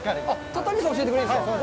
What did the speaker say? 戸谷さんが教えてくれるんですか？